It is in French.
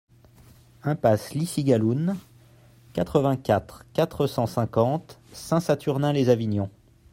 Impasse Li Cigaloun, quatre-vingt-quatre, quatre cent cinquante Saint-Saturnin-lès-Avignon